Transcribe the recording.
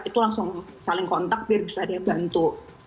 itu langsung saling kontak biar bisa ada yang bantu